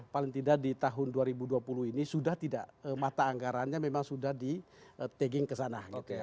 paling tidak di tahun dua ribu dua puluh ini sudah tidak mata anggarannya memang sudah di tagging ke sana